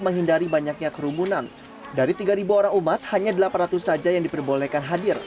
menghindari banyaknya kerumunan dari tiga ribu orang umat hanya delapan ratus saja yang diperbolehkan hadir